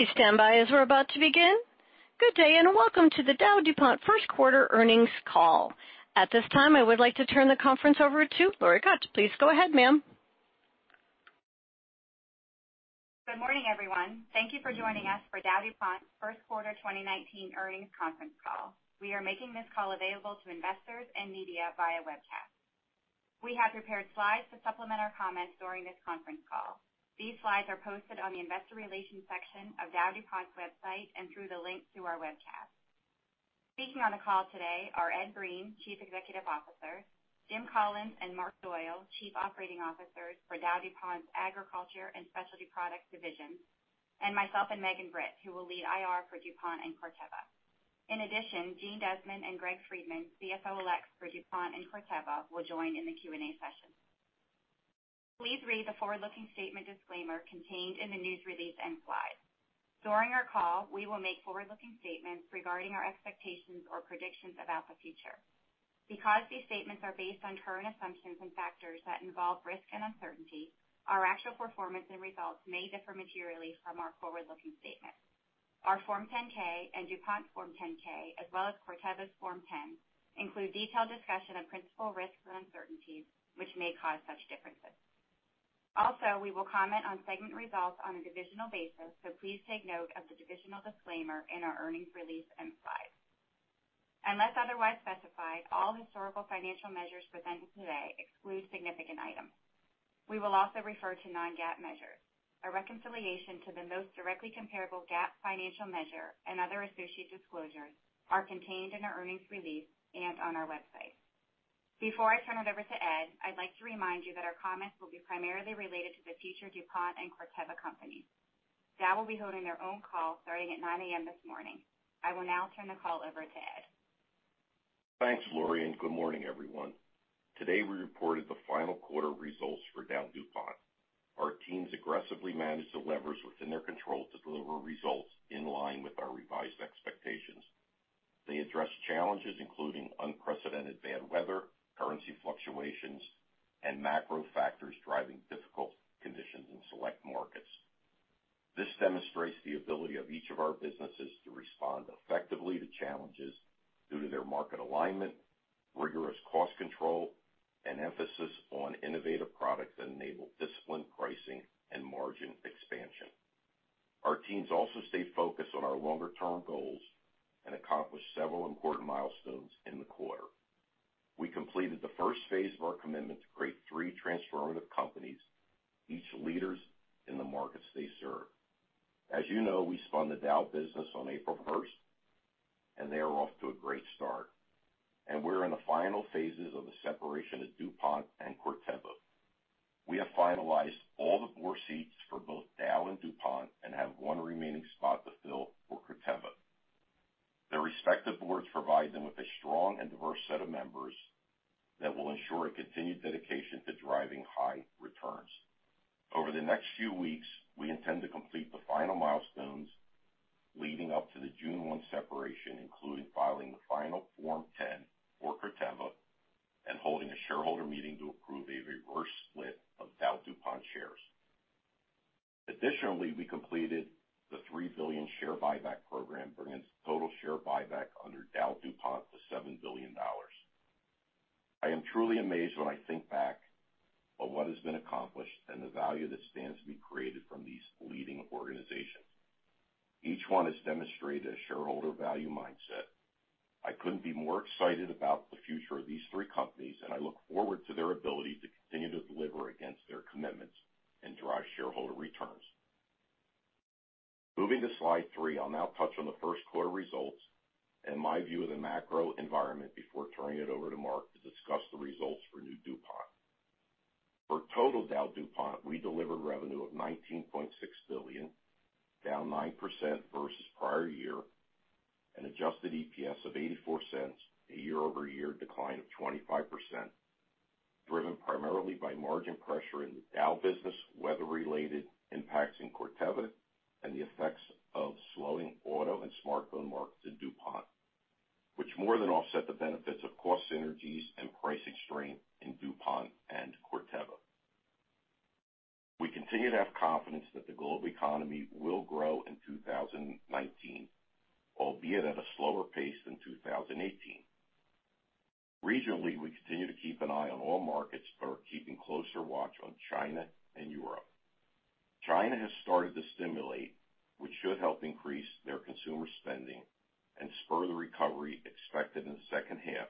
Please stand by as we're about to begin. Good day, and welcome to the DowDuPont first quarter earnings call. At this time, I would like to turn the conference over to Lori Koch. Please go ahead, ma'am. Good morning, everyone. Thank you for joining us for DowDuPont's first quarter 2019 earnings conference call. We are making this call available to investors and media via webcast. We have prepared slides to supplement our comments during this conference call. These slides are posted on the investor relations section of DowDuPont's website and through the link to our webcast. Speaking on the call today are Ed Breen, Chief Executive Officer, Jim Collins and Marc Doyle, Chief Operating Officers for DowDuPont's Agriculture and Specialty Products divisions, and myself and Megan Britt, who will lead IR for DuPont and Corteva. In addition, Jean Desmond and Greg Friedman, CFO-elects for DuPont and Corteva, will join in the Q&A session. Please read the forward-looking statement disclaimer contained in the news release and slides. During our call, we will make forward-looking statements regarding our expectations or predictions about the future. Because these statements are based on current assumptions and factors that involve risk and uncertainty, our actual performance and results may differ materially from our forward-looking statements. Our Form 10-K and DuPont's Form 10-K, as well as Corteva's Form 10, include detailed discussion of principal risks and uncertainties which may cause such differences. We will comment on segment results on a divisional basis, so please take note of the divisional disclaimer in our earnings release and slides. Unless otherwise specified, all historical financial measures presented today exclude significant items. We will also refer to non-GAAP measures. A reconciliation to the most directly comparable GAAP financial measure and other associated disclosures are contained in our earnings release and on our website. Before I turn it over to Ed, I'd like to remind you that our comments will be primarily related to the future DuPont and Corteva companies. Dow will be holding their own call starting at 9:00 A.M. this morning. I will now turn the call over to Ed. Thanks, Lori, and good morning, everyone. Today, we reported the final quarter results for DowDuPont. Our teams aggressively managed the levers within their control to deliver results in line with our revised expectations. They addressed challenges, including unprecedented bad weather, currency fluctuations, and macro factors driving difficult conditions in select markets. This demonstrates the ability of each of our businesses to respond effectively to challenges due to their market alignment, rigorous cost control, and emphasis on innovative products that enable disciplined pricing and margin expansion. Our teams also stayed focused on our longer-term goals and accomplished several important milestones in the quarter. We completed the first phase of our commitment to create three transformative companies, each leaders in the markets they serve. As you know, we spun the Dow business on April 1st, and they are off to a great start. We're in the final phases of the separation of DuPont and Corteva. We have finalized all the board seats for both Dow and DuPont and have one remaining spot to fill for Corteva. The respective boards provide them with a strong and diverse set of members that will ensure a continued dedication to driving high returns. Over the next few weeks, we intend to complete the final milestones leading up to the June 1 separation, including filing the final Form 10 for Corteva and holding a shareholder meeting to approve a reverse split of DowDuPont shares. Additionally, we completed the $3 billion share buyback program, bringing total share buyback under DowDuPont to $7 billion. I am truly amazed when I think back on what has been accomplished and the value that stands to be created from these leading organizations. Each one has demonstrated a shareholder value mindset. I couldn't be more excited about the future of these three companies, and I look forward to their ability to continue to deliver against their commitments and drive shareholder returns. Moving to slide three, I'll now touch on the first quarter results and my view of the macro environment before turning it over to Marc to discuss the results for new DuPont. For total DowDuPont, we delivered revenue of $19.6 billion, down 9% versus prior year, and adjusted EPS of $0.84, a year-over-year decline of 25%, driven primarily by margin pressure in the Dow business, weather-related impacts in Corteva, and the effects of slowing auto and smartphone markets in DuPont, which more than offset the benefits of cost synergies and pricing strength in DuPont and Corteva. We continue to have confidence that the global economy will grow in 2019, albeit at a slower pace than 2018. Regionally, we continue to keep an eye on all markets, but are keeping closer watch on China and Europe. China has started to stimulate, which should help increase their consumer spending and spur the recovery expected in the second half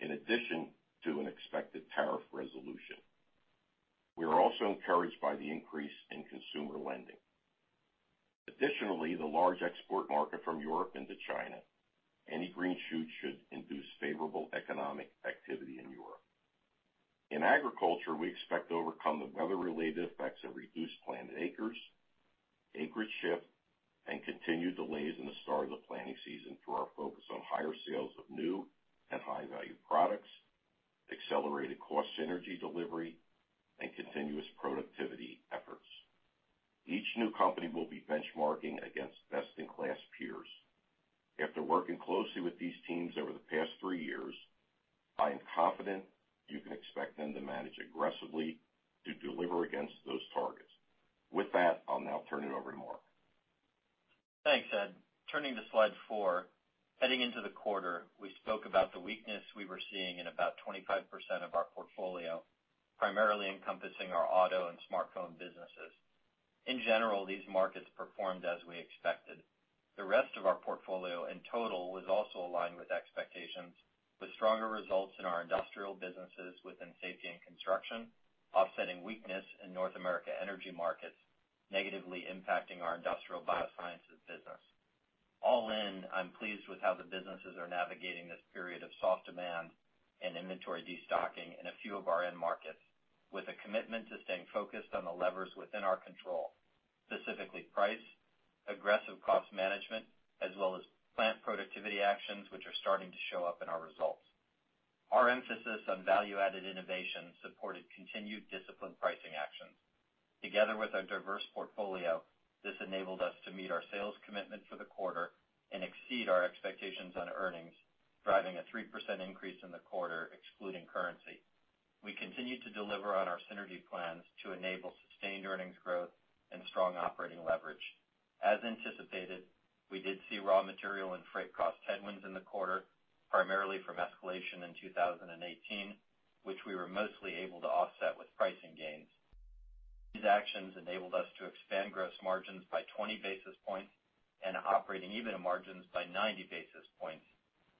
in addition to an expected tariff resolution. We are also encouraged by the increase in consumer lending. Additionally, the large export market from Europe into China, any green shoots should induce favorable economic activity in Europe. In agriculture, we expect to overcome the weather-related effects of reduced planted acres, acreage shift, and continued delays in the start of the planting season through our focus on higher sales of new and high-value products, accelerated cost synergy delivery, and continuous productivity efforts. Each new company will be benchmarking against best-in-class peers. After working closely with these teams over the past three years, I am confident you can expect them to manage aggressively to deliver against those targets. With that, I'll now turn it over to Marc. Thanks, Ed. Turning to slide four. Heading into the quarter, we spoke about the weakness we were seeing in about 25% of our portfolio, primarily encompassing our auto and smartphone businesses. In general, these markets performed as we expected. The rest of our portfolio in total was also aligned with expectations, with stronger results in our industrial businesses within Safety & Construction, offsetting weakness in North America energy markets, negatively impacting our industrial biosciences business. All in, I'm pleased with how the businesses are navigating this period of soft demand and inventory destocking in a few of our end markets, with a commitment to staying focused on the levers within our control, specifically price, aggressive cost management, as well as plant productivity actions, which are starting to show up in our results. Our emphasis on value-added innovation supported continued disciplined pricing actions. Together with our diverse portfolio, this enabled us to meet our sales commitment for the quarter and exceed our expectations on earnings, driving a 3% increase in the quarter excluding currency. We continued to deliver on our synergy plans to enable sustained earnings growth and strong operating leverage. As anticipated, we did see raw material and freight cost headwinds in the quarter, primarily from escalation in 2018, which we were mostly able to offset with pricing gains. These actions enabled us to expand gross margins by 20 basis points and operating EBITDA margins by 90 basis points,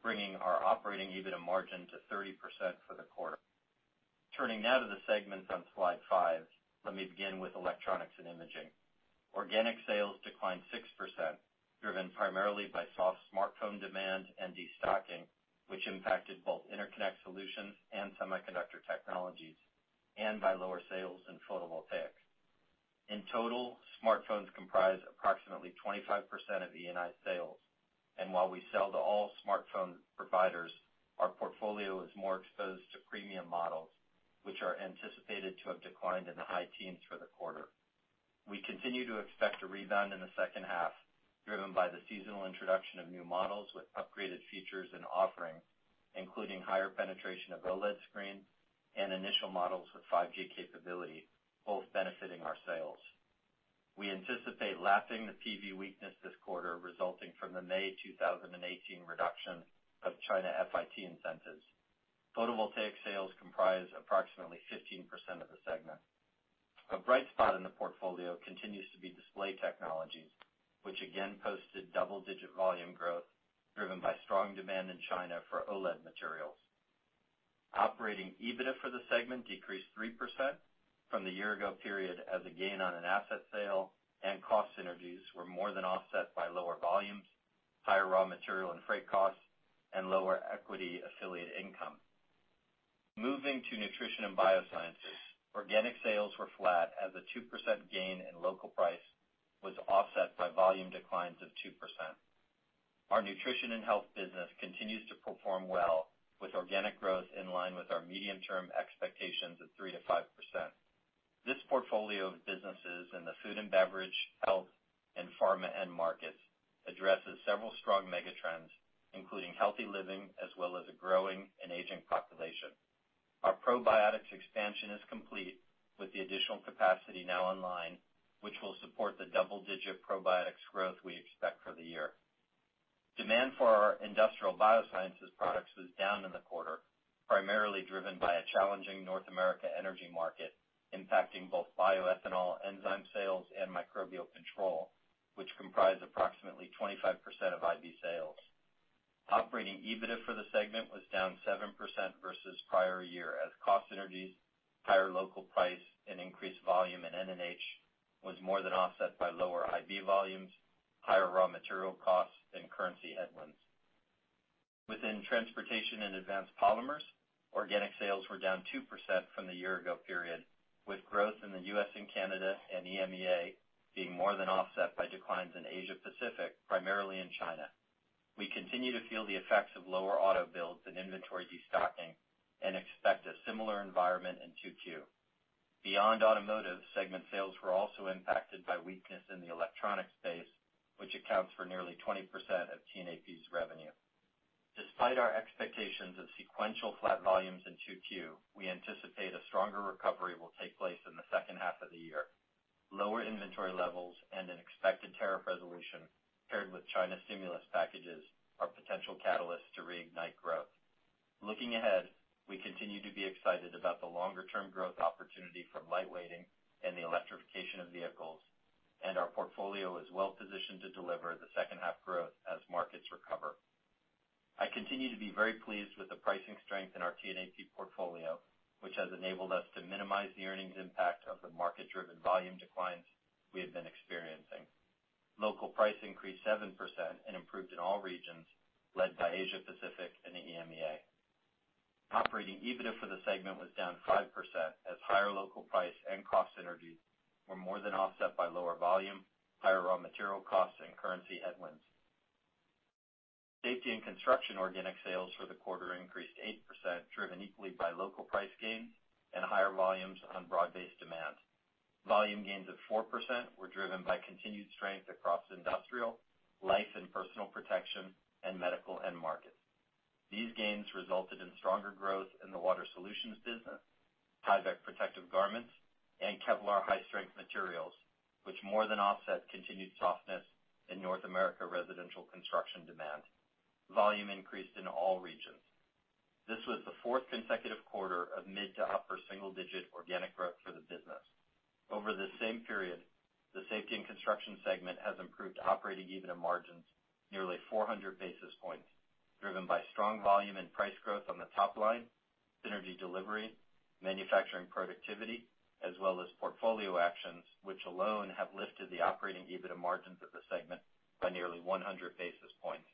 bringing our operating EBITDA margin to 30% for the quarter. Turning now to the segments on slide five. Let me begin with Electronics & Imaging. Organic sales declined 6%, driven primarily by soft smartphone demand and destocking, which impacted both interconnect solutions and semiconductor technologies, and by lower sales in photovoltaic. In total, smartphones comprise approximately 25% of E&I sales, and while we sell to all smartphone providers, our portfolio is more exposed to premium models, which are anticipated to have declined in the high teens for the quarter. We continue to expect a rebound in the second half, driven by the seasonal introduction of new models with upgraded features and offerings, including higher penetration of OLED screens and initial models with 5G capability, both benefiting our sales. We anticipate lapping the PV weakness this quarter resulting from the May 2018 reduction of China FIT incentives. Photovoltaic sales comprise approximately 15% of the segment. A bright spot in the portfolio continues to be display technologies, which again posted double-digit volume growth driven by strong demand in China for OLED materials. Operating EBITDA for the segment decreased 3% from the year ago period as a gain on an asset sale and cost synergies were more than offset by lower volumes, higher raw material and freight costs, and lower equity affiliate income. Moving to Nutrition and Biosciences. Organic sales were flat as a 2% gain in local price was offset by volume declines of 2%. Our Nutrition and Health business continues to perform well, with organic growth in line with our medium-term expectations of 3% to 5%. This portfolio of businesses in the food and beverage, health, and pharma end markets addresses several strong mega trends, including healthy living as well as a growing and aging population. Our probiotics expansion is complete with the additional capacity now online, which will support the double-digit probiotics growth we expect for the year. Demand for our industrial biosciences products was down in the quarter, primarily driven by a challenging North America energy market impacting both bioethanol enzyme sales and microbial control, which comprise approximately 25% of IB sales. Operating EBITDA for the segment was down 7% versus prior year as cost synergies, higher local price, and increased volume in N&H was more than offset by lower IB volumes, higher raw material costs, and currency headwinds. Within Transportation and Advanced Polymers, organic sales were down 2% from the year ago period, with growth in the U.S. and Canada and EMEA being more than offset by declines in Asia Pacific, primarily in China. We continue to feel the effects of lower auto builds and inventory destocking and expect a similar environment in 2Q. Beyond automotive, segment sales were also impacted by weakness in the electronic space, which accounts for nearly 20% of T&AP's revenue. Despite our expectations of sequential flat volumes in 2Q, we anticipate a stronger recovery will take place in the second half of the year. Lower inventory levels and an expected tariff resolution paired with China stimulus packages are potential catalysts to reignite growth. Looking ahead, we continue to be excited about the longer-term growth opportunity from light weighting and the electrification of vehicles, and our portfolio is well positioned to deliver the second half growth as markets recover. I continue to be very pleased with the pricing strength in our T&AP portfolio, which has enabled us to minimize the earnings impact of the market-driven volume declines we have been experiencing. Local price increased 7% and improved in all regions, led by Asia Pacific and the EMEA. Operating EBITDA for the segment was down 5% as higher local price and cost synergies were more than offset by lower volume, higher raw material costs, and currency headwinds. Safety and Construction organic sales for the quarter increased 8%, driven equally by local price gains and higher volumes on broad-based demand. Volume gains of 4% were driven by continued strength across industrial, life and personal protection, and medical end markets. These gains resulted in stronger growth in the water solutions business, Tyvek protective garments, and Kevlar high-strength materials, which more than offset continued softness in North America residential construction demand. Volume increased in all regions. This was the fourth consecutive quarter of mid to upper single-digit organic growth for the business. Over the same period, the Safety & Construction segment has improved operating EBITDA margins nearly 400 basis points, driven by strong volume and price growth on the top line, synergy delivery, manufacturing productivity, as well as portfolio actions, which alone have lifted the operating EBITDA margins of the segment by nearly 100 basis points.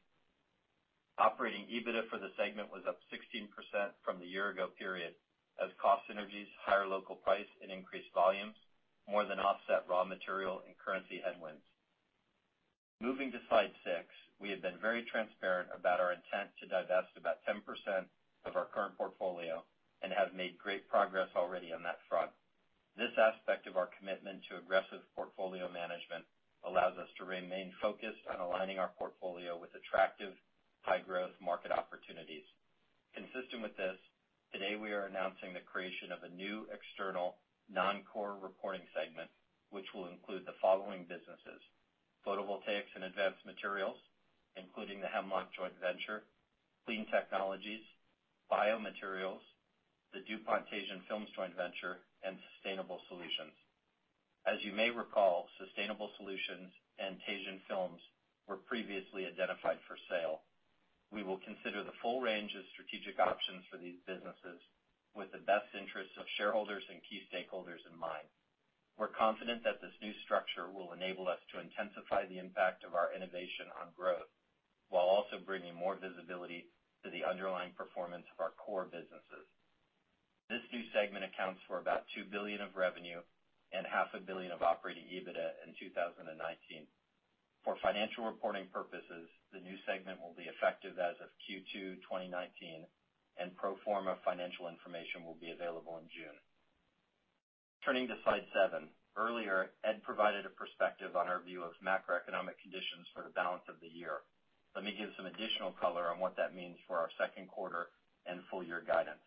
Operating EBITDA for the segment was up 16% from the year-ago period as cost synergies, higher local price, and increased volumes more than offset raw material and currency headwinds. Moving to slide six. We have been very transparent about our intent to divest about 10% of our current portfolio, and have made great progress already on that front. This aspect of our commitment to aggressive portfolio management allows us to remain focused on aligning our portfolio with attractive high-growth market opportunities. Consistent with this, today we are announcing the creation of a new external non-core reporting segment, which will include the following businesses: photovoltaics and advanced materials, including the Hemlock joint venture, clean technologies, biomaterials, the DuPont Teijin Films joint venture, and sustainable solutions. As you may recall, sustainable solutions and Teijin Films were previously identified for sale. We will consider the full range of strategic options for these businesses with the best interests of shareholders and key stakeholders in mind. We're confident that this new structure will enable us to intensify the impact of our innovation on growth, while also bringing more visibility to the underlying performance of our core businesses. This new segment accounts for about $2 billion of revenue and half a billion of operating EBITDA in 2019. For financial reporting purposes, the new segment will be effective as of Q2 2019, and pro forma financial information will be available in June. Turning to slide seven. Earlier, Ed provided a perspective on our view of macroeconomic conditions for the balance of the year. Let me give some additional color on what that means for our second quarter and full year guidance.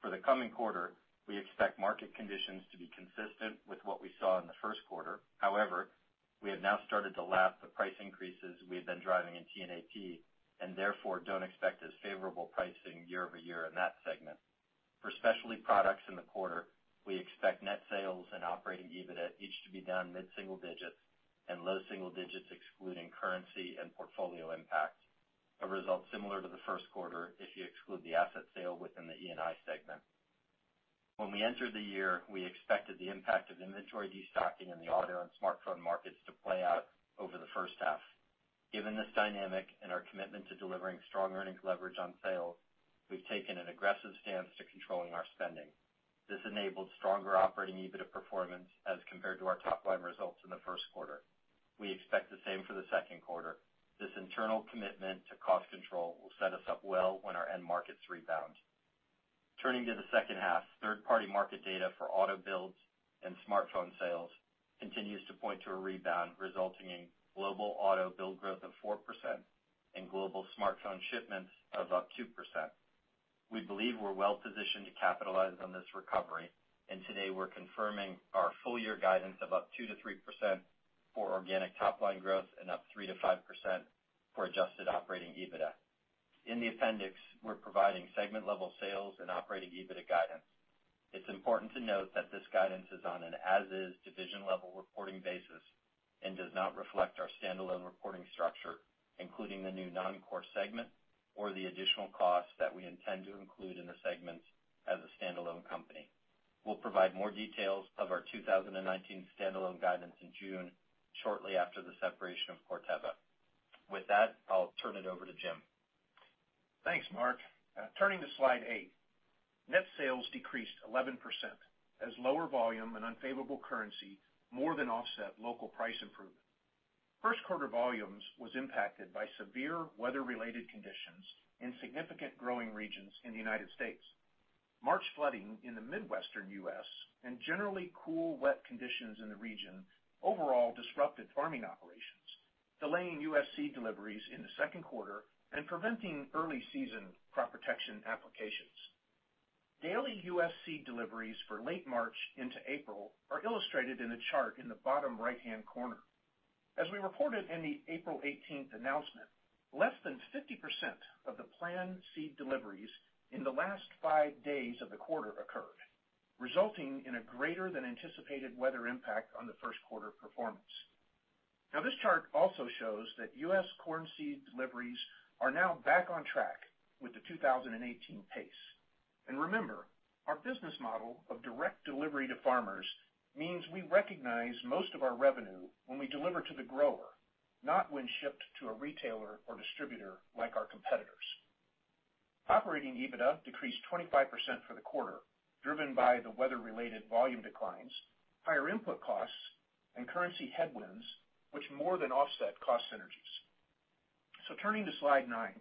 For the coming quarter, we expect market conditions to be consistent with what we saw in the first quarter. However, we have now started to lap the price increases we have been driving in T&AP, and therefore, don't expect as favorable pricing year-over-year in that segment. For specialty products in the quarter, we expect net sales and operating EBITDA each to be down mid-single digits and low double digits, excluding currency and portfolio impact, a result similar to the first quarter if you exclude the asset sale within the E&I segment. When we entered the year, we expected the impact of inventory destocking in the auto and smartphone markets to play out over the first half. Given this dynamic and our commitment to delivering strong earnings leverage on sales, we've taken an aggressive stance to controlling our spending. This enabled stronger operating EBITDA performance as compared to our top-line results in the first quarter. We expect the same for the second quarter. This internal commitment to cost control will set us up well when our end markets rebound. Turning to the second half, third-party market data for auto builds and smartphone sales continues to point to a rebound, resulting in global auto build growth of 4% and global smartphone shipments of up 2%. We believe we're well positioned to capitalize on this recovery, today we're confirming our full year guidance of up 2%-3% for organic top-line growth and up 3%-5% for adjusted operating EBITDA. In the appendix, we're providing segment-level sales and operating EBITDA guidance. It's important to note that this guidance is on an as-is division-level reporting basis and does not reflect our standalone reporting structure, including the new non-core segment or the additional costs that we intend to include in the segments as a standalone company. We'll provide more details of our 2019 standalone guidance in June, shortly after the separation of Corteva. With that, I'll turn it over to Jim. Thanks, Marc. Turning to slide eight. Net sales decreased 11% as lower volume and unfavorable currency more than offset local price improvement. First quarter volumes was impacted by severe weather-related conditions in significant growing regions in the U.S. March flooding in the Midwestern U.S. and generally cool, wet conditions in the region overall disrupted farming operations, delaying U.S. seed deliveries in the second quarter and preventing early season crop protection applications. Daily U.S. seed deliveries for late March into April are illustrated in the chart in the bottom right-hand corner. As we reported in the April 18th announcement, less than 50% of the planned seed deliveries in the last five days of the quarter occurred, resulting in a greater than anticipated weather impact on the first quarter performance. This chart also shows that U.S. corn seed deliveries are now back on track with the 2018 pace. Remember, our business model of direct delivery to farmers means we recognize most of our revenue when we deliver to the grower, not when shipped to a retailer or distributor like our competitors. Operating EBITDA decreased 25% for the quarter, driven by the weather-related volume declines, higher input costs, and currency headwinds, which more than offset cost synergies. Turning to slide nine,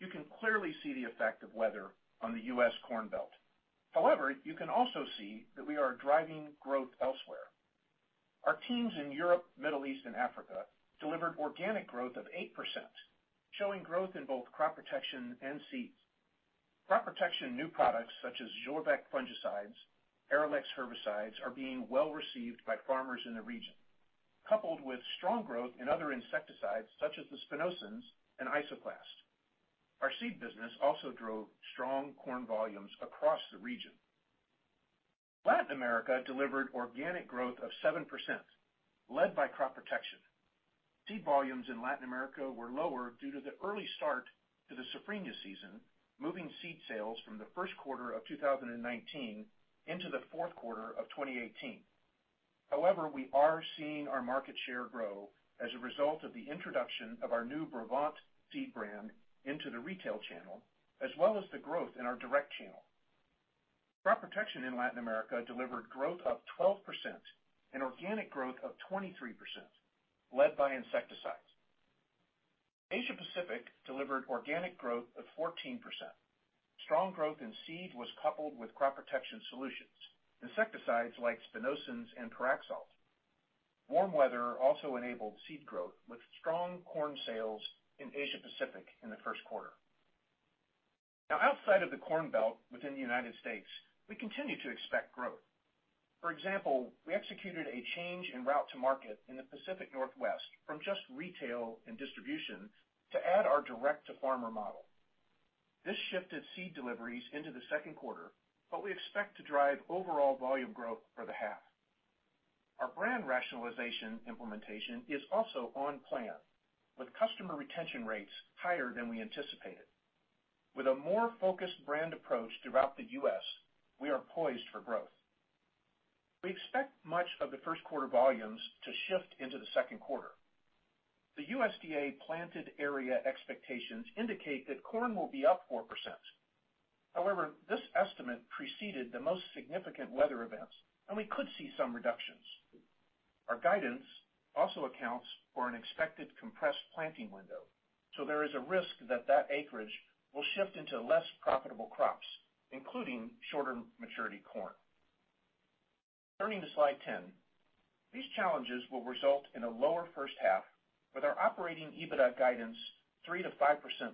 you can clearly see the effect of weather on the U.S. Corn Belt. You can also see that we are driving growth elsewhere. Our teams in Europe, Middle East, and Africa delivered organic growth of 8%, showing growth in both crop protection and seeds. Crop protection new products such as Zorvec fungicides, Arylex herbicides are being well-received by farmers in the region, coupled with strong growth in other insecticides such as the Spinosyns and Isoclast. Our seed business also drove strong corn volumes across the region. Latin America delivered organic growth of 7%, led by crop protection. Seed volumes in Latin America were lower due to the early start to the Safrinha season, moving seed sales from the first quarter of 2019 into the fourth quarter of 2018. We are seeing our market share grow as a result of the introduction of our new Brevant seed brand into the retail channel, as well as the growth in our direct channel. Crop protection in Latin America delivered growth of 12% and organic growth of 23%, led by insecticides. Asia Pacific delivered organic growth of 14%. Strong growth in seed was coupled with crop protection solutions, insecticides like Spinosyns and Pyraxalt. Warm weather also enabled seed growth with strong corn sales in Asia Pacific in the first quarter. Outside of the Corn Belt within the U.S., we continue to expect growth. For example, we executed a change in route to market in the Pacific Northwest from just retail and distribution to add our direct-to-farmer model. This shifted seed deliveries into the second quarter, but we expect to drive overall volume growth for the half. Our brand rationalization implementation is also on plan, with customer retention rates higher than we anticipated. With a more focused brand approach throughout the U.S., we are poised for growth. We expect much of the first quarter volumes to shift into the second quarter. The USDA planted area expectations indicate that corn will be up 4%. However, this estimate preceded the most significant weather events, and we could see some reductions. Our guidance also accounts for an expected compressed planting window, there is a risk that acreage will shift into less profitable crops, including shorter maturity corn. Turning to slide 10, these challenges will result in a lower first half with our operating EBITDA guidance 3%-5%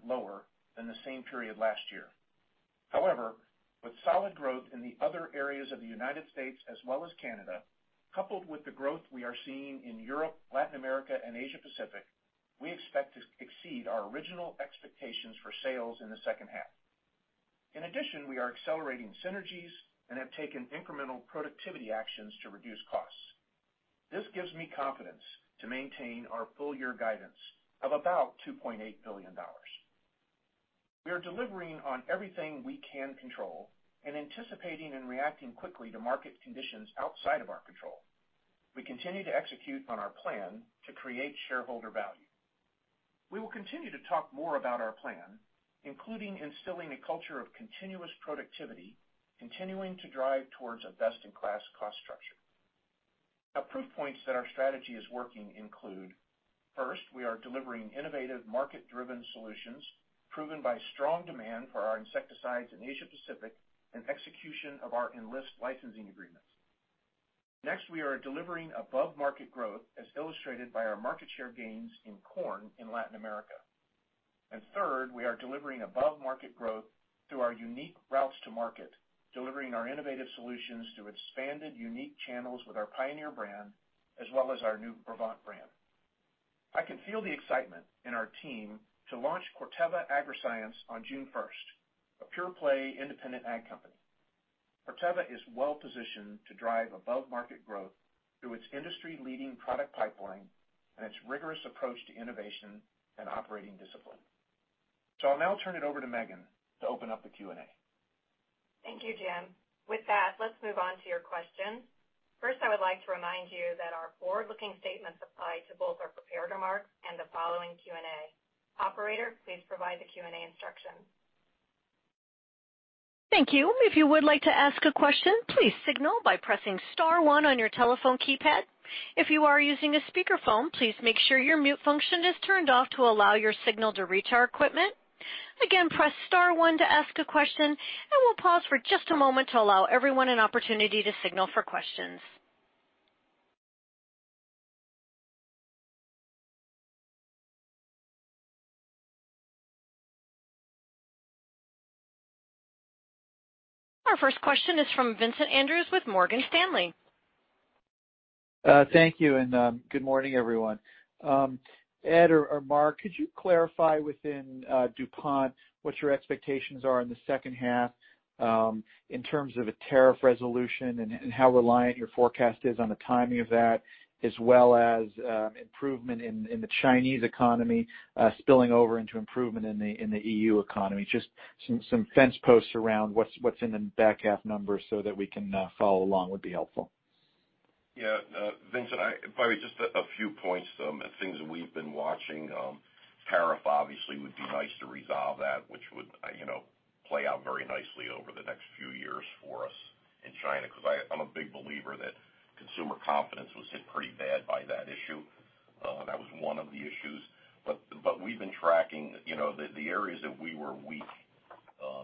lower than the same period last year. With solid growth in the other areas of the United States as well as Canada, coupled with the growth we are seeing in Europe, Latin America, and Asia Pacific, we expect to exceed our original expectations for sales in the second half. We are accelerating synergies and have taken incremental productivity actions to reduce costs. This gives me confidence to maintain our full-year guidance of about $2.8 billion. We are delivering on everything we can control and anticipating and reacting quickly to market conditions outside of our control. We continue to execute on our plan to create shareholder value. We will continue to talk more about our plan, including instilling a culture of continuous productivity, continuing to drive towards a best-in-class cost structure. Proof points that our strategy is working include, first, we are delivering innovative market-driven solutions proven by strong demand for our insecticides in Asia Pacific and execution of our Enlist licensing agreements. Next, we are delivering above-market growth as illustrated by our market share gains in corn in Latin America. Third, we are delivering above-market growth through our unique routes to market, delivering our innovative solutions through expanded unique channels with our Pioneer brand as well as our new Brevant brand. I can feel the excitement in our team to launch Corteva Agriscience on June 1st, a pure-play independent ag company. Corteva is well-positioned to drive above-market growth through its industry-leading product pipeline and its rigorous approach to innovation and operating discipline. I'll now turn it over to Megan to open up the Q&A. Thank you, Jim. With that, let's move on to your questions. First, I would like to remind you that our forward-looking statements apply to both our prepared remarks and the following Q&A. Operator, please provide the Q&A instructions. Thank you. If you would like to ask a question, please signal by pressing star one on your telephone keypad. If you are using a speakerphone, please make sure your mute function is turned off to allow your signal to reach our equipment. Again, press star one to ask a question, we'll pause for just a moment to allow everyone an opportunity to signal for questions. Our first question is from Vincent Andrews with Morgan Stanley. Thank you. Good morning, everyone. Ed or Marc, could you clarify within DuPont what your expectations are in the second half in terms of a tariff resolution and how reliant your forecast is on the timing of that, as well as improvement in the Chinese economy spilling over into improvement in the EU economy? Just some fence posts around what's in the back half numbers so that we can follow along would be helpful. Yeah. Vincent, probably just a few points, some things that we've been watching. Tariff obviously would be nice to resolve that, which would play out very nicely over the next few years for us in China, because I'm a big believer that Consumer confidence was hit pretty bad by that issue. That was one of the issues. We've been tracking the areas that we were weak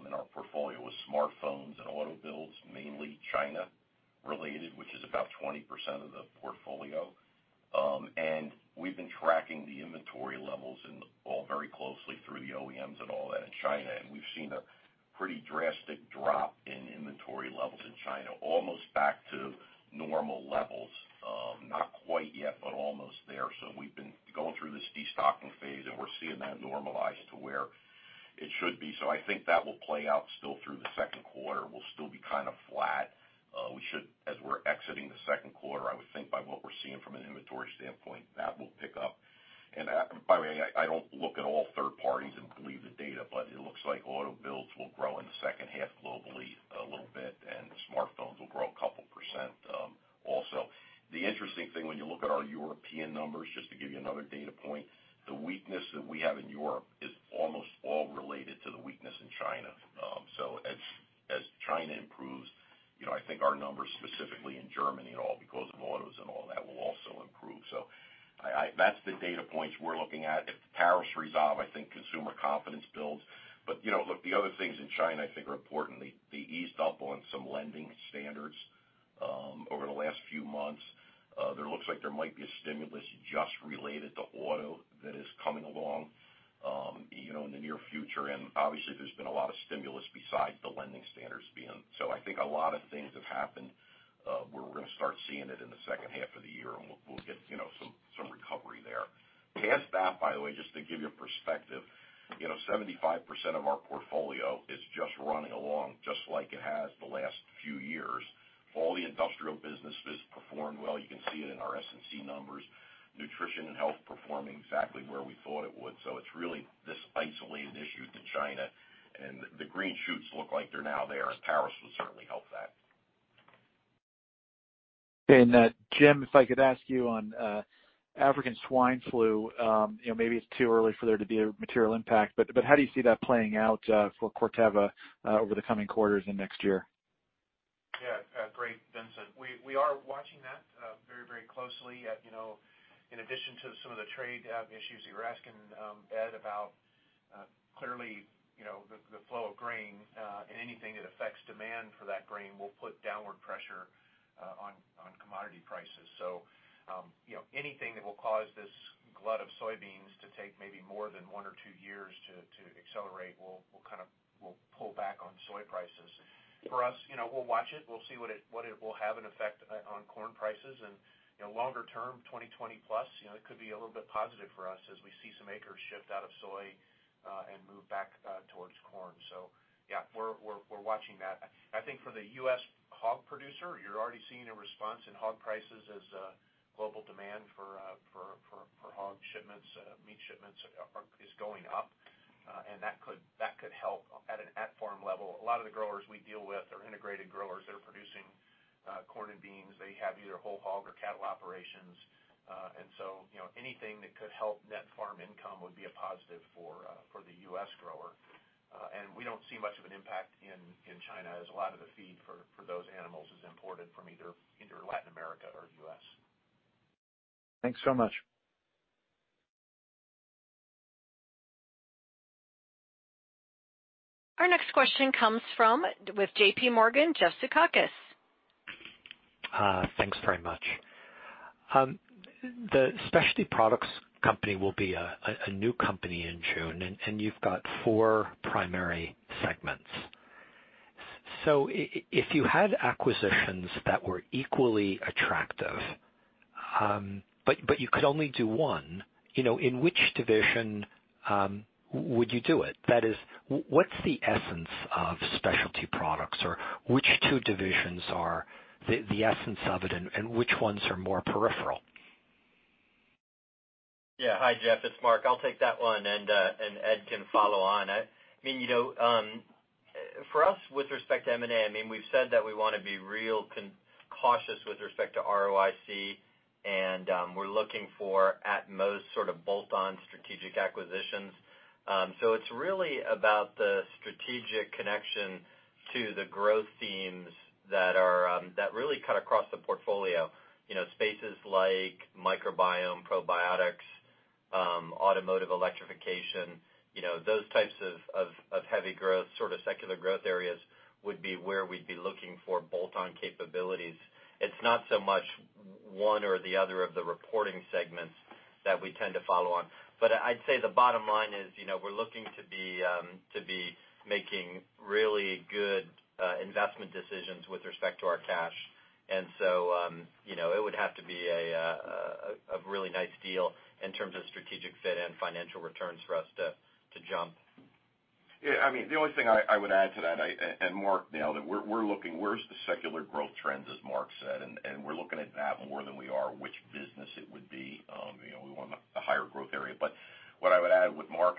in our portfolio with smartphones and auto builds, mainly China related, which is about 20% of the portfolio. We've been tracking the inventory levels all very closely through the OEMs and all that in China, and we've seen a pretty drastic drop in inventory levels in China, almost back to normal levels. Not quite yet, but almost there. We've been going through this de-stocking phase, and we're seeing that normalize to where it should be. I think that will play out still through the second quarter. We'll still be kind of flat. As we're exiting the second quarter, I would think by what we're seeing from an inventory standpoint, that will pick up. By the way, I don't look at all third parties and believe the data, but it looks like auto builds will grow in the second half globally a little bit, and the smartphones will grow a couple of % also. The interesting thing when you look at our European numbers, just to give you another data point, the weakness that we have in Europe is almost all related to the weakness in China. As China improves, I think our numbers specifically in Germany and all because of autos and all that will also improve. That's the data points we're looking at. If the tariffs resolve, I think consumer confidence builds. Look, the other things in China I think are important. They eased up on some lending standards over the last few months. There looks like there might be a stimulus just related to auto that is coming along in the near future. Obviously, there's been a lot of stimulus besides the lending standards being. I think a lot of things have happened, where we're going to start seeing it in the second half of the year, and we'll get some recovery there. Past that, by the way, just to give you a perspective, 75% of our portfolio is just running along, just like it has the last few years. All the industrial businesses performed well. You can see it in our S&C numbers. Nutrition and Health performing exactly where we thought it would. It's really this isolated issue to China, and the green shoots look like they're now there, and tariffs will certainly help that. Jim, if I could ask you on African swine flu. Maybe it's too early for there to be a material impact, but how do you see that playing out for Corteva over the coming quarters and next year? Great, Vincent. We are watching that very closely. In addition to some of the trade issues that you were asking Ed about, clearly, the flow of grain and anything that affects demand for that grain will put downward pressure on commodity prices. Anything that will cause this glut of soybeans to take maybe more than one or two years to accelerate will pull back on soy prices. For us, we'll watch it. We'll see what it will have an effect on corn prices. Longer term, 2020 plus, it could be a little bit positive for us as we see some acres shift out of soy and move back towards corn. I think for the U.S. hog producer, you're already seeing a response in hog prices as global demand for hog shipments, meat shipments, is going up. That could help at farm level. A lot of the growers we deal with are integrated growers that are producing corn and beans. They have either whole hog or cattle operations. Anything that could help net farm income would be a positive for the U.S. grower. We don't see much of an impact in China, as a lot of the feed for those animals is imported from either Latin America or U.S. Thanks so much. Our next question comes with JPMorgan, Jeffrey Sprague. Thanks very much. The specialty products company will be a new company in June, and you've got four primary segments. If you had acquisitions that were equally attractive but you could only do one, in which division would you do it? That is, what's the essence of specialty products, or which two divisions are the essence of it and which ones are more peripheral? Yeah. Hi, Jeff, it's Marc. I'll take that one, and Ed can follow on. For us, with respect to M&A, we've said that we want to be real cautious with respect to ROIC, and we're looking for at most sort of bolt-on strategic acquisitions. It's really about the strategic connection to the growth themes that really cut across the portfolio. Spaces like microbiome, probiotics, automotive electrification, those types of heavy growth, sort of secular growth areas would be where we'd be looking for bolt-on capabilities. It's not so much one or the other of the reporting segments that we tend to follow on. I'd say the bottom line is we're looking to be making really good investment decisions with respect to our cash. It would have to be a really nice deal in terms of strategic fit and financial returns for us to jump. Yeah. The only thing I would add to that, and Marc nailed it, we're looking where's the secular growth trends, as Marc said, and we're looking at that more than we are which business it would be. We want a higher growth area. What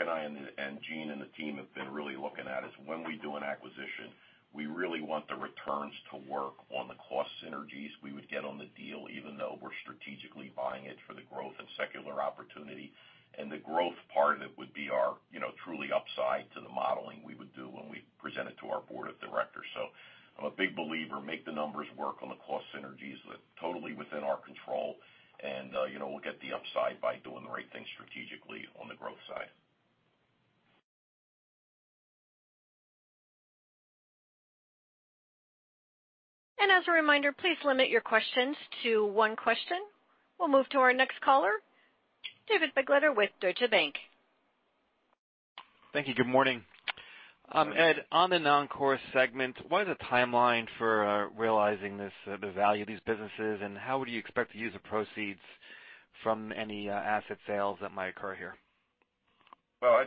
I and Gene and the team have been really looking at is when we do an acquisition, we really want the returns to work on the cost synergies we would get on the deal, even though we're strategically buying it for the growth and secular opportunity. The growth part of it would be our truly upside to the modeling we would do when we present it to our board of directors. I'm a big believer, make the numbers work on the cost synergies that totally within our control and we'll get the upside by doing the right thing strategically on the growth side. As a reminder, please limit your questions to one question. We'll move to our next caller, David Begleiter with Deutsche Bank. Thank you. Good morning. Ed, on the non-core segment, what is the timeline for realizing the value of these businesses, and how would you expect to use the proceeds from any asset sales that might occur here? Well,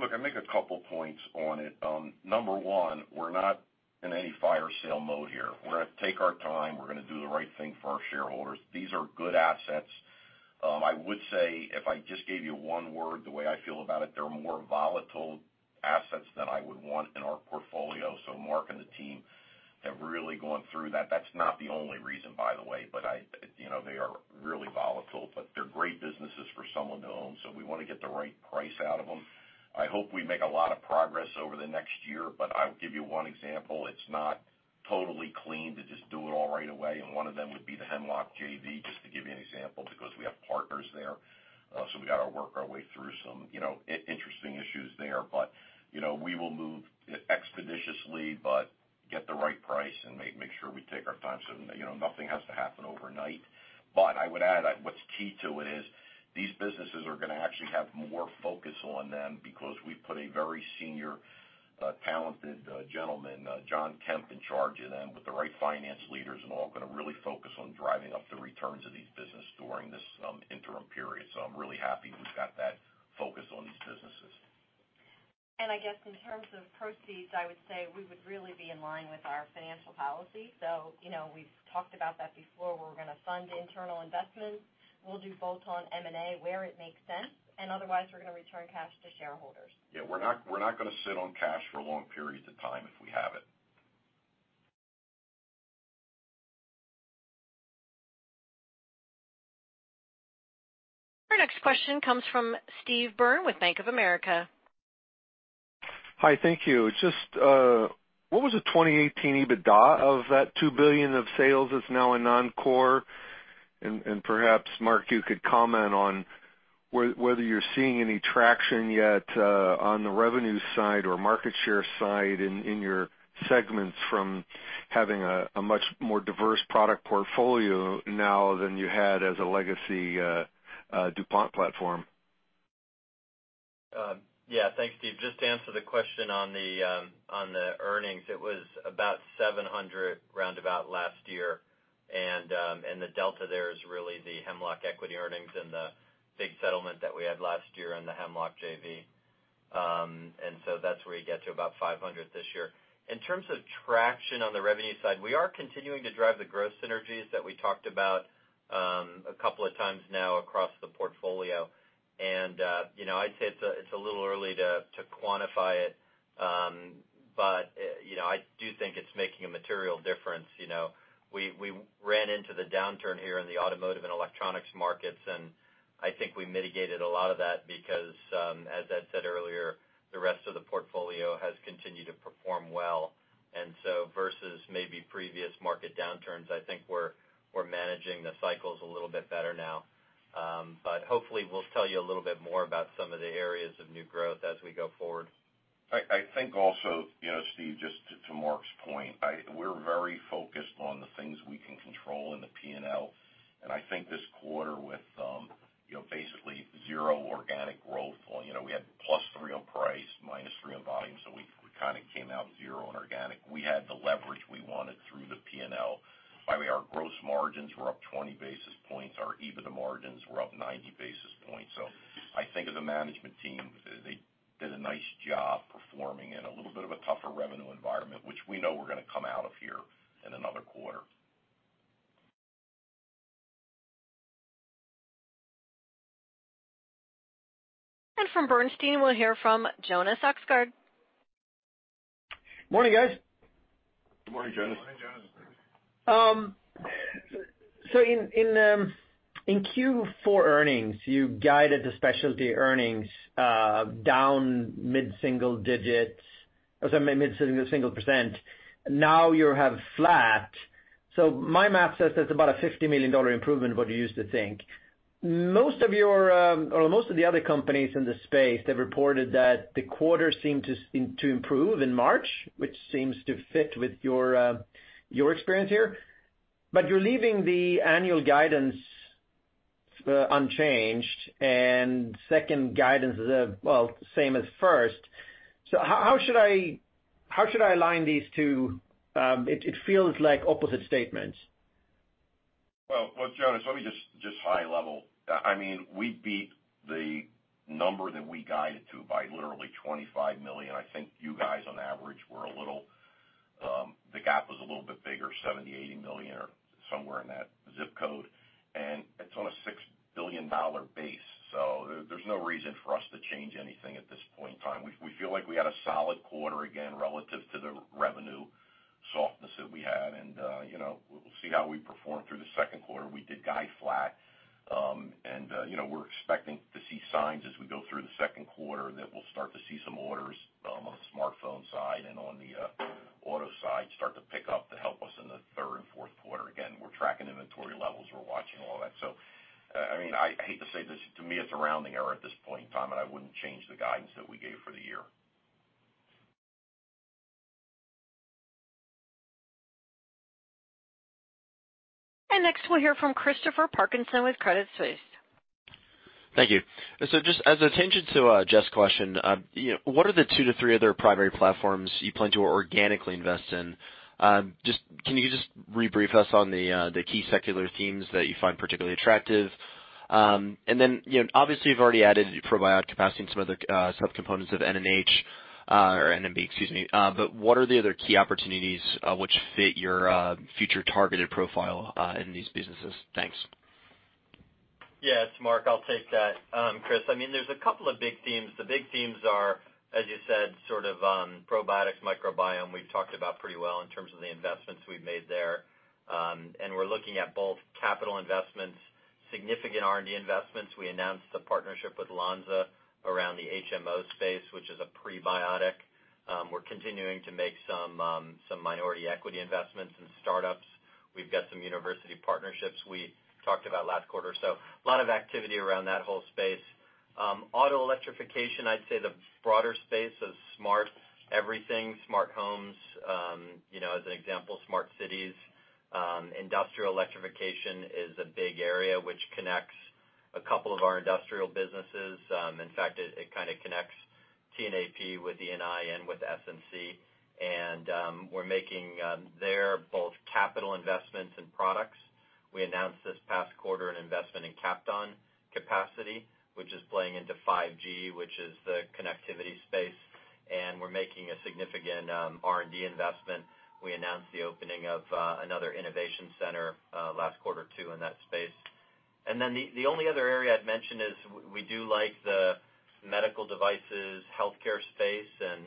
look, I'll make a couple points on it. Number 1, we're not in any fire sale mode here. We're going to take our time. We're going to do the right thing for our shareholders. These are good assets. I would say if I just gave you one word, the way I feel about it, they're more volatile assets than I would want in our portfolio. Marc and the team have really gone through that. That's not the only reason, by the way, but they are really volatile, but they're great businesses for someone to own. We want to get the right price out of them. I hope we make a lot of progress over the next year, but I'll give you one example. It's not totally clean to just do it all right away, and one of them would be the Hemlock JV, just to give you an example, because we have partners there. We got to work our way through some interesting issues there. We will move expeditiously, but get the right price and make sure we take our time, so nothing has to happen overnight. I would add, what's key to it is these businesses are going to actually have more focus on them because we put a very senior, talented gentleman, Jon Kemp, in charge of them with the right finance leaders and all, going to really focus on driving up the returns of these business during this interim period. I'm really happy we've got that focus on these businesses. I guess in terms of proceeds, I would say we would really be in line with our financial policy. We've talked about that before. We're going to fund internal investments. We'll do bolt-on M&A where it makes sense, and otherwise, we're going to return cash to shareholders. Yeah, we're not going to sit on cash for long periods of time if we have it. Our next question comes from Steve Byrne with Bank of America. Hi, thank you. Just what was the 2018 EBITDA of that $2 billion of sales that's now in non-core? Perhaps, Marc, you could comment on whether you're seeing any traction yet on the revenue side or market share side in your segments from having a much more diverse product portfolio now than you had as a legacy DuPont platform. Yeah. Thanks, Steve. Just to answer the question on the earnings, it was about $700 roundabout last year, the delta there is really the Hemlock equity earnings and the big settlement that we had last year on the Hemlock JV. That's where you get to about $500 this year. In terms of traction on the revenue side, we are continuing to drive the growth synergies that we talked about a couple of times now across the portfolio. I'd say it's a little early to quantify it, but I do think it's making a material difference. We ran into the downturn here in the automotive and electronics markets, I think we mitigated a lot of that because, as Ed said earlier, the rest of the portfolio has continued to perform well. Versus maybe previous market downturns, I think we're managing the cycles a little bit better now. Hopefully, we'll tell you a little bit more about some of the areas of new growth as we go forward. I think also, Steve, just to Marc's point, we're very focused on the things we can control in the P&L. This quarter with basically zero organic growth, we had +3 on price, -3 on volume, we kind of came out zero on organic. We had the leverage we wanted through the P&L. By the way, our gross margins were up 20 basis points. Our EBITDA margins were up 90 basis points. I think as a management team, they did a nice job performing in a little bit of a tougher revenue environment, which we know we're going to come out of here in another quarter. From Bernstein, we'll hear from Jonas Oxgaard. Morning, guys. Good morning, Jonas. Morning, Jonas. In Q4 earnings, you guided the specialty earnings down mid-single %. Now you have flat. My math says that's about a $50 million improvement of what you used to think. Most of the other companies in this space have reported that the quarter seemed to improve in March, which seems to fit with your experience here. You're leaving the annual guidance unchanged, and second guidance is, well, same as first. How should I align these two? It feels like opposite statements. Well, Jonas, let me just high level. We beat the number that we guided to by literally $25 million. I think you guys on average were a little The gap was a little bit bigger, $70 million, $80 million or somewhere in that ZIP code, and it's on a $6 billion base. There's no reason for us to change anything at this point in time. We feel like we had a solid quarter again, relative to the or N&B, excuse me. What are the other key opportunities which fit your future targeted profile in these businesses? Thanks. Yes, Marc, I'll take that. Chris, there's a couple of big themes. The big themes are, as you said, sort of probiotics, microbiome, we've talked about pretty well in terms of the investments we've made there. We're looking at both capital investments, significant R&D investments. We announced the partnership with Lonza around the HMO space, which is a prebiotic. We're continuing to make some minority equity investments in startups. We've got some university partnerships we talked about last quarter or so. A lot of activity around that whole space. Auto electrification, I'd say the broader space of smart everything, smart homes, as an example, smart cities. Industrial electrification is a big area which connects a couple of our industrial businesses. In fact, it kind of connects T&AP with E&I and with S&C, and we're making there both capital investments and products. We announced this past quarter an investment in Kapton capacity, which is playing into 5G, which is the connectivity space. We're making a significant R&D investment. We announced the opening of another innovation center last quarter, too, in that space. The only other area I'd mention is we do like the medical devices, healthcare space, and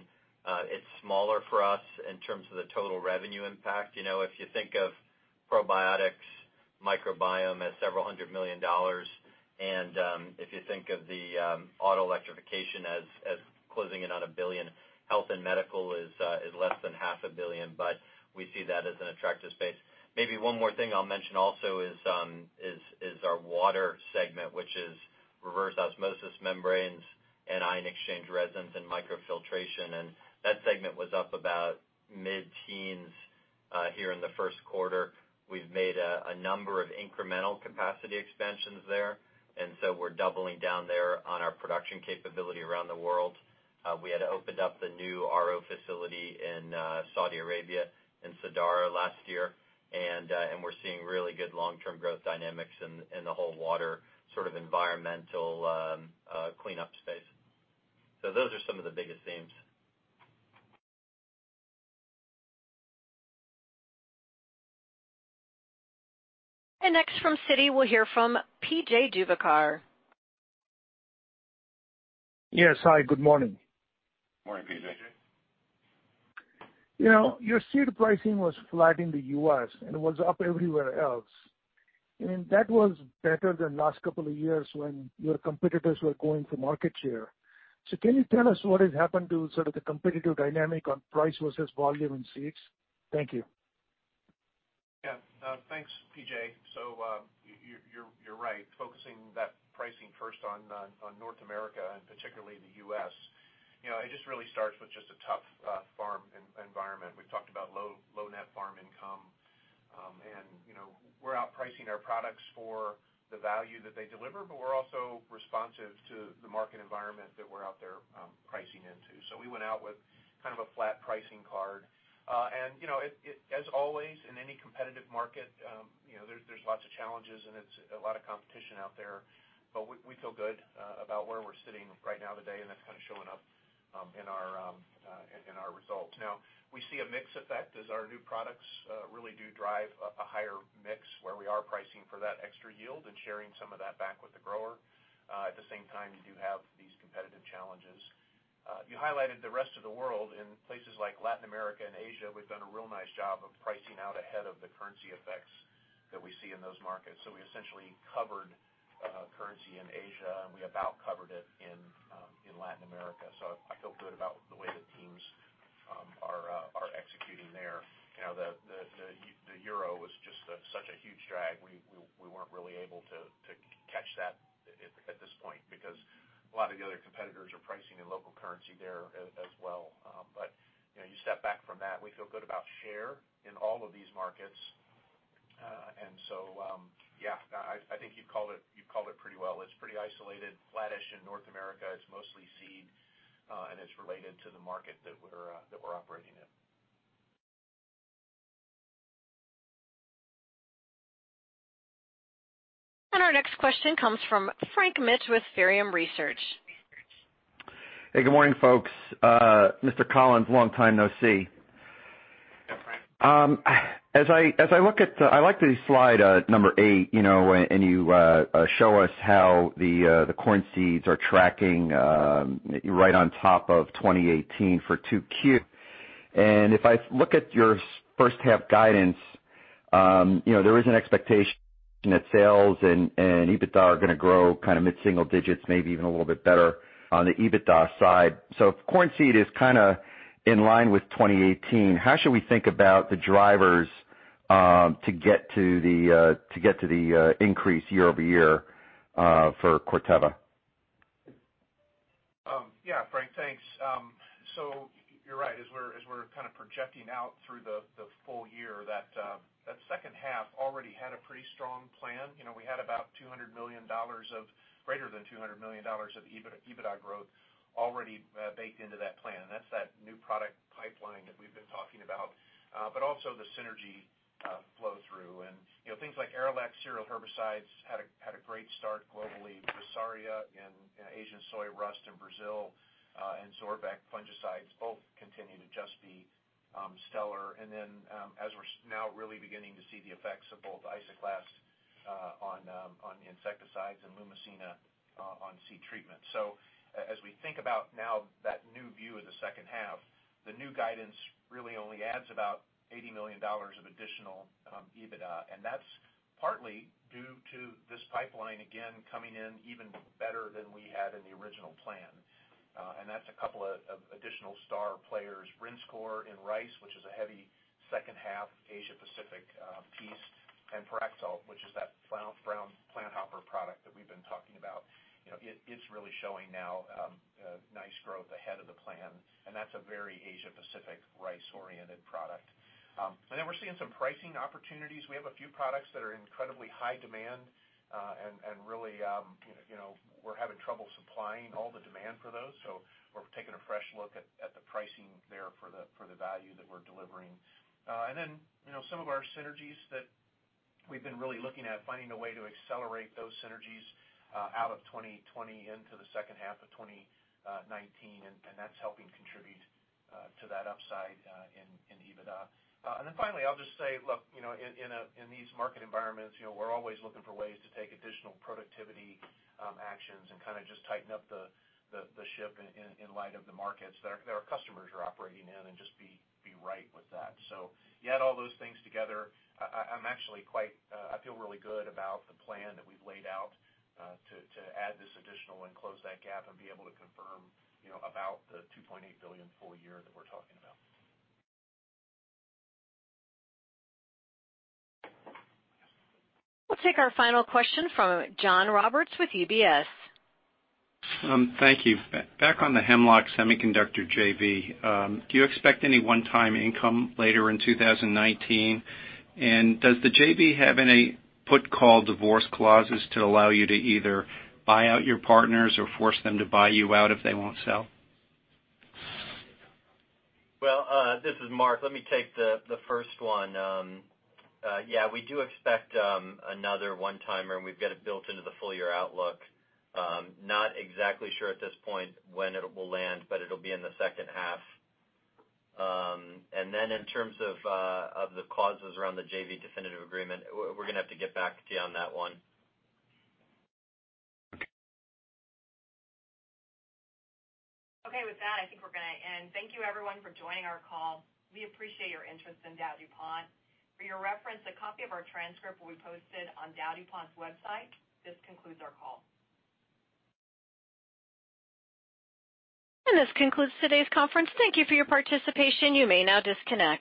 it's smaller for us in terms of the total revenue impact. If you think of probiotics, microbiome as several hundred million dollars, and if you think of the auto electrification as closing in on $1 billion, health and medical is less than half a billion dollars, but we see that as an attractive space. Maybe one more thing I'll mention also is our water segment, which is reverse osmosis membranes and ion exchange resins and microfiltration. That segment was up about mid-teens here in the first quarter. We've made a number of incremental capacity expansions there. We're doubling down there on our production capability around the world. We had opened up the new RO facility in Saudi Arabia in Sadara last year. We're seeing really good long-term growth dynamics in the whole water sort of environmental cleanup space. Those are some of the biggest themes. Next from Citi, we'll hear from P.J. Juvekar. Yes. Hi, good morning. Morning, P.J. Your seed pricing was flat in the U.S. and was up everywhere else. That was better than last couple of years when your competitors were going for market share. Can you tell us what has happened to sort of the competitive dynamic on price versus volume in seeds? Thank you. Yeah. Thanks, P.J. You're right, focusing that pricing first on North America and particularly the U.S., it just really starts with just a tough farm environment. We've talked about low net farm income. We're out pricing our products for the value that they deliver, but we're also responsive to the market environment that we're out there pricing into. We went out with kind of a flat pricing card. As always in any competitive market, there's lots of challenges, and it's a lot of competition out there, but we feel good about where we're sitting right now today, and that's kind of showing up in our results. We see a mix effect as our new products really do drive a higher mix where we are pricing for that extra yield and sharing some of that back with the grower. At the same time, you do have these competitive challenges. You highlighted the rest of the world in places like Latin America and Asia. We've done a real nice job of pricing out ahead of the currency effects that we see in those markets. We essentially covered currency in Asia, and we about covered it in Latin America. I feel good about the way the teams are executing there. The euro was just such a huge drag. We weren't really able to catch that at this point because a lot of the other competitors are pricing in local currency there as well. You step back from that, we feel good about share in all of these markets. Yeah, I think you've called it pretty well. It's pretty isolated, flattish in North America. It's mostly seed, and it's related to the market that we're operating in. Our next question comes from Frank Mitsch with Fermium Research. Hey, good morning, folks. Mr. Collins, long time no see. Yeah, Frank. I like the slide eight. You show us how the corn seeds are tracking right on top of 2018 for 2Q. If I look at your first half guidance, there is an expectation that sales and EBITDA are going to grow mid-single digits, maybe even a little bit better on the EBITDA side. If corn seed is in line with 2018, how should we think about the drivers to get to the increase year-over-year for Corteva? Frank, thanks. You're right. As we're kind of projecting out through the full year, that second half already had a pretty strong plan. We had about greater than $200 million of EBITDA growth already baked into that plan. That's that new product pipeline that we've been talking about, but also the synergy flow through. Things like Arylex cereal herbicides had a great start globally with Vessarya in Asian soybean rust in Brazil, and Zorvec fungicides both continue to just be stellar. As we're now really beginning to see the effects of both Isoclast on insecticides and LumiGEN on seed treatment. As we think about now that new view of the second half, the new guidance really only adds about $80 million of additional EBITDA. That's partly due to this pipeline, again, coming in even better than we had in the original plan. That's a couple of additional star players, Rinskor in rice, which is a heavy second half Asia Pacific piece, and Pyraxalt, which is that brown planthopper product that we've been talking about. It's really showing now nice growth ahead of the plan, and that's a very Asia Pacific rice-oriented product. We're seeing some pricing opportunities. We have a few products that are in incredibly high demand, and really we're having trouble supplying all the demand for those. We're taking a fresh look at the pricing there for the value that we're delivering. Some of our synergies that we've been really looking at, finding a way to accelerate those synergies out of 2020 into the second half of 2019, and that's helping contribute to that upside in EBITDA. Finally, I'll just say, look, in these market environments, we're always looking for ways to take additional productivity actions and kind of just tighten up the ship in light of the markets that our customers are operating in and just be right with that. You add all those things together, I feel really good about the plan that we've laid out to add this additional and close that gap and be able to confirm about the $2.8 billion full year that we're talking about. We'll take our final question from John Roberts with UBS. Thank you. Back on the Hemlock Semiconductor JV, do you expect any one-time income later in 2019? Does the JV have any put call divorce clauses to allow you to either buy out your partners or force them to buy you out if they won't sell? Well, this is Marc. Let me take the first one. Yeah, we do expect another one-timer, and we've got it built into the full-year outlook. Not exactly sure at this point when it will land, but it'll be in the second half. In terms of the clauses around the JV definitive agreement, we're going to have to get back to you on that one. Okay. With that, I think we're going to end. Thank you everyone for joining our call. We appreciate your interest in DowDuPont. For your reference, a copy of our transcript will be posted on DowDuPont's website. This concludes our call. This concludes today's conference. Thank you for your participation. You may now disconnect.